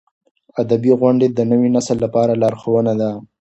ادبي غونډې د نوي نسل لپاره لارښوونه ده.